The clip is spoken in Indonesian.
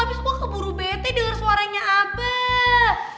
abis gua keburu bete denger suaranya abah